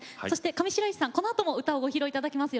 上白石萌音さんには、このあとも歌をご披露いただきます。